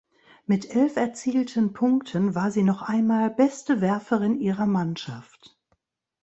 Mit elf erzielten Punkten war sie noch einmal beste Werferin ihrer Mannschaft.